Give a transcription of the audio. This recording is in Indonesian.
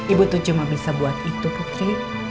ibu tuh cuma bisa buat itu putri